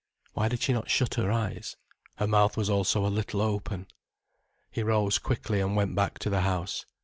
Why did she not shut her eyes? Her mouth was also a little open. He rose quickly and went back to the house.